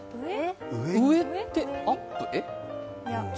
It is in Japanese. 上ってアップ？